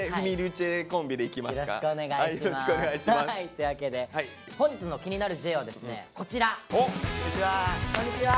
というわけで本日の「気になるＪ」はですねこちら。こんにちは。こんにちは。